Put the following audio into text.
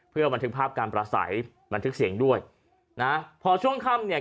เพื่อบันทึกภาพการประสัยบันทึกเสียงด้วยนะพอช่วงค่ำเนี่ย